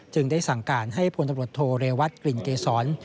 ได้สั่งการให้พลตำรวจโทเรวัตกลิ่นเกษร